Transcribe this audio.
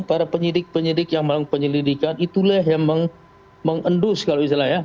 para penyidik penyidik yang melakukan penyelidikan itulah yang mengendus kalau misalnya ya